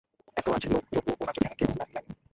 এত আছে লোক, তবু পোড়া চোখে আর কেহ নাহি লাগে রে!